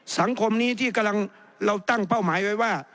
สังคมนี้ที่กำลังเราตั้งเป้าหมายไว้ว่า